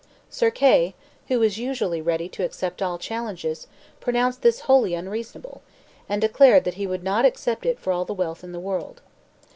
Sir Kay, who was usually ready to accept all challenges, pronounced this wholly unreasonable, and declared that he would not accept it for all the wealth in the world.